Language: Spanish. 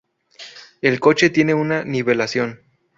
El coche tiene una nivelación.